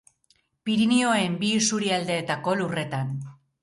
Pirinioen bi isurialdeetako lurretan.